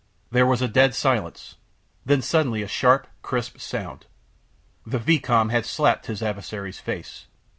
There was dead silence. Then suddenly a sharp, crisp sound. The vicomte had slapped his adversary's face.